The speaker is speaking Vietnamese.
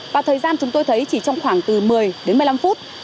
và thời gian chúng tôi thấy chỉ trong khoảng từ một mươi đến một mươi năm phút